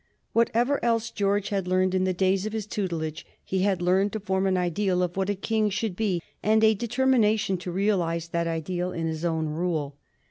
Whatever else George had learned in the days of his tutelage, he had learned to form an ideal of what a king should be and a determination to realize that ideal in his own rule.